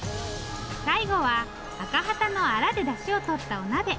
最後はアカハタのアラでだしをとったお鍋。